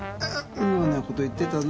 妙なこと言ってたねえ。